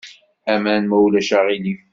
Aman, ma ulac aɣilif.